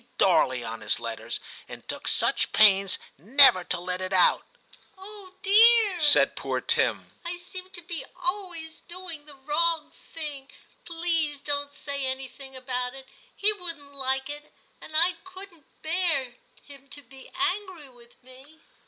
Darley" on his letters, and took such pains never to let it out/ * Oh dear !' said poor Tim, ' I seem to be always doing the wrong thing ; please don t say anything about it ; he wouldn't like it — and I couldn't bear him to be angry with me.'